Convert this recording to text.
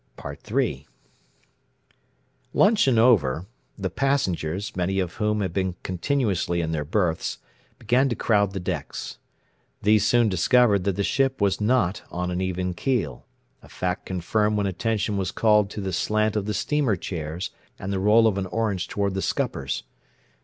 III Luncheon over, the passengers, many of whom had been continuously in their berths, began to crowd the decks. These soon discovered that the ship was not on an even keel; a fact confirmed when attention was called to the slant of the steamer chairs and the roll of an orange toward the scuppers.